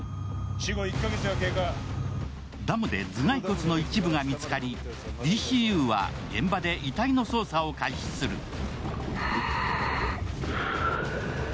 ダムで頭蓋骨の一部が見つかりＤＣＵは現場で遺体の捜査を開始する。